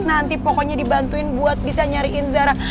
nanti pokoknya dibantuin buat bisa nyariin zara